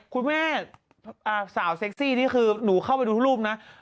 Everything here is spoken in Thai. คุณแม่สาวเซ็กซี่นี่คือหนูเข้าไปดูทุกรูปนะ